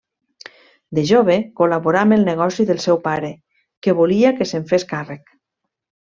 De jove, col·laborà amb el negoci del seu pare, que volia que se'n fes càrrec.